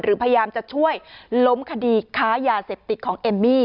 พยายามจะช่วยล้มคดีค้ายาเสพติดของเอมมี่